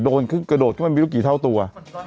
โดนขึ้นกระโดดก็ไม่รู้กี่เท่าตัว